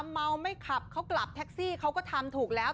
เมาไม่ขับเขากลับแท็กซี่เขาก็ทำถูกแล้ว